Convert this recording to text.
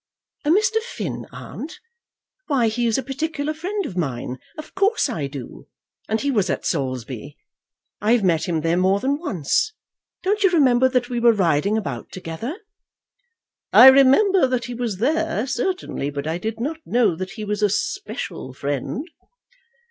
"A Mr. Finn, aunt! Why, he is a particular friend of mine. Of course I do, and he was at Saulsby. I have met him there more than once. Don't you remember that we were riding about together?" "I remember that he was there, certainly; but I did not know that he was a special friend."